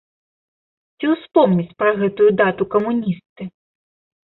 Ці успомняць пра гэтую дату камуністы?